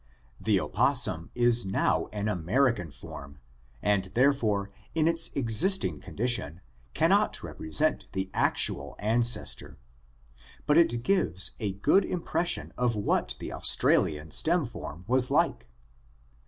The opossum is now an American form and therefore in its existing condition cannot represent the actual ancestor, but it gives a good impression of what the Australian stem form was like.